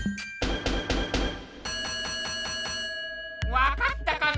わかったかな？